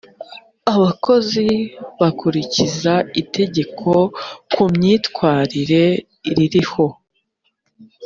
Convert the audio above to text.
abakozi bakurikiza itegeko ku myitwarire ririho